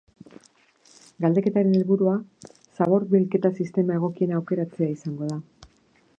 Galdeketaren helburua zabor-bilketa sistema egokiena aukeratzea izango da.